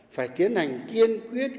phải tiến hành kiên quyết